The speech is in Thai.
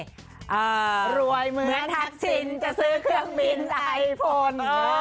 อ่ารวยเหมือนทักษิณจะซื้อเครื่องบินไอฝน